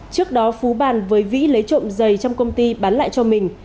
trước đó phú bàn với vĩ lấy trộm dày trong công ty bán lại cho mình